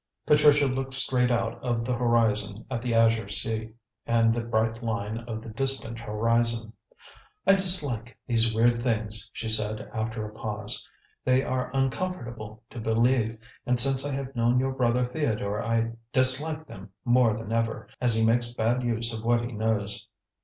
Patricia looked straight out of the window at the azure sea, and the bright line of the distant horizon. "I dislike these weird things," she said, after a pause. "They are uncomfortable to believe, and since I have known your brother Theodore I dislike them more than ever, as he makes bad use of what he knows.